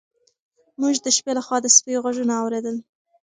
موږ د شپې لخوا د سپیو غږونه اورېدل.